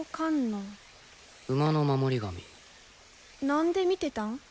何で見てたん？